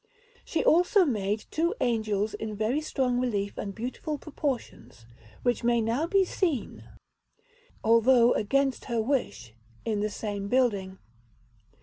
She also made two angels in very strong relief and beautiful proportions, which may now be seen, although against her wish, in the same building.